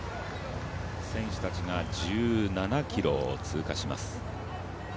選手たちが１７ｋｍを通過します。